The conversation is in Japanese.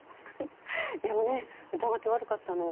でもね疑って悪かったの。